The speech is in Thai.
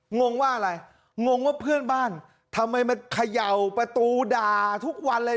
งงว่าอะไรงงว่าเพื่อนบ้านทำไมมาเขย่าประตูด่าทุกวันเลย